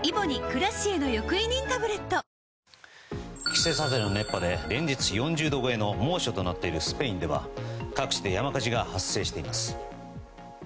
季節外れの熱波で連日４０度超えの猛暑となっているスペインでは各地で山火事が発生しています。